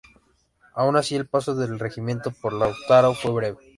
Aun así, el paso del regimiento por Lautaro fue breve.